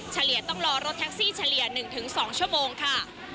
เฉลี่ยต้องรอรถแท็กซี่เฉลี่ย๑๒ชั่วโมงค่ะ